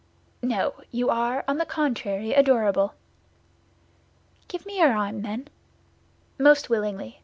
"No; you are, on the contrary, adorable." "Give me your arm, then." "Most willingly.